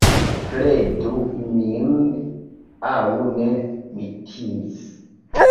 Kredu min aŭ ne, mi timis...